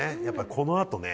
このあとね。